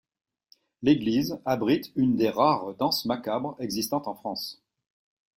L’église abrite une des rares Danses Macabres existant en France.